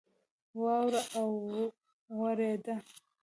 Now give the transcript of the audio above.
واوره اوورېده